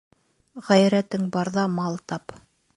Ғәйрәтең барҙа мал тап.